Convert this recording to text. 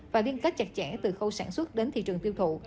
và liên kết chặt chẽ từ khâu sản xuất đến thị trường tiêu thụ